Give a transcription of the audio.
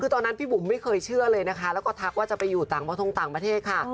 คือตอนนั้นพี่บุ๋มไม่เคยเชื่อเลยนะคะแล้วก็ทักว่าจะไปอยู่ต่างประทงต่างประเทศค่ะ